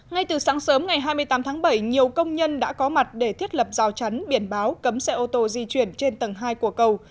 ngay từ sáng sớm ngày hai mươi tám tháng bảy nhiều công nhân đã có mặt để thiết lập rào chắn biển báo cấm xe ô tô di chuyển trên tầng hai của cầu